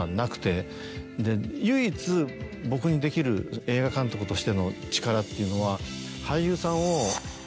唯一僕にできる映画監督としての力っていうのは。